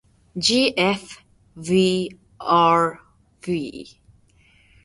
ｇｆｖｒｖ